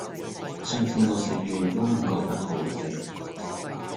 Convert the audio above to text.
上次我食完都唔覺得好食